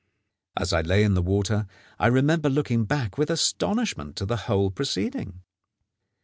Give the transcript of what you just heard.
As I lay in the water, I remember looking back with astonishment to the whole proceeding.